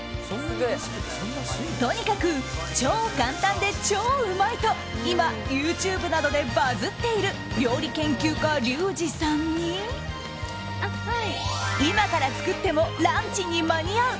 とにかく超簡単で超うまいと今ＹｏｕＴｕｂｅなどでバズっている料理研究家リュウジさんに今から作ってもランチに間に合う。